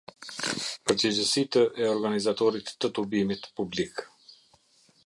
Përgjegjësitë e organizatorit të tubimit publik.